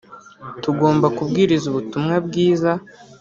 tugomba kubwiriza Ubutumwa bwiza